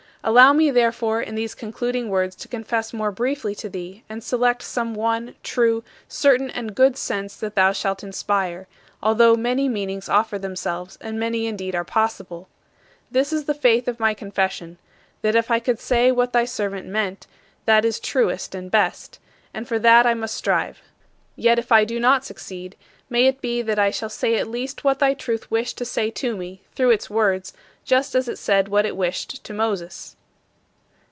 Allow me, therefore, in these concluding words to confess more briefly to thee and select some one, true, certain, and good sense that thou shalt inspire, although many meanings offer themselves and many indeed are possible. This is the faith of my confession, that if I could say what thy servant meant, that is truest and best, and for that I must strive. Yet if I do not succeed, may it be that I shall say at least what thy Truth wished to say to me through its words, just as it said what it wished to Moses.